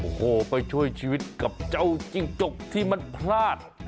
โอ้โหไปช่วยชีวิตกับเจ้าจิ้งจกที่มันพลาด